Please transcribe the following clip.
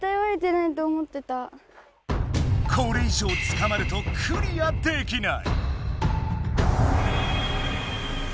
これ以上つかまるとクリアできない！